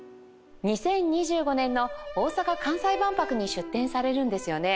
２０２５年の大阪・関西万博に出展されるんですよね。